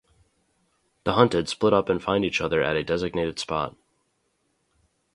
The hunted split up and find each other at a designated spot.